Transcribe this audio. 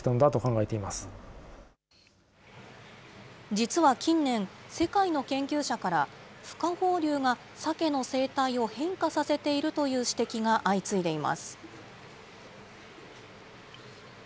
実は近年、世界の研究者からふ化放流がサケの生態を変化させているという指摘が相次いでいます。